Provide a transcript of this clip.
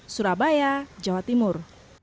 surabaya jawa timur